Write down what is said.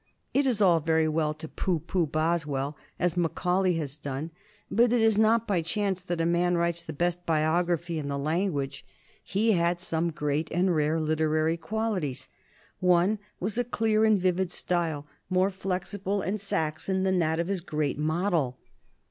It is all very well to pooh pooh Boswell as Macaulay has done, but it is not by chance that a man writes the best biography in the language. He had some great and rare literary qualities. One was a clear and vivid style, more flexible and Saxon than that of his great model.